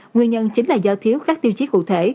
nguyên nhân chính là do thiếu các tiêu chí cụ thể